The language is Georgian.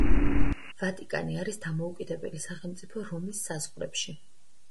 ვატიკანი არის დამოუკიდებელი სახელმწიფო რომის საზღვრებში.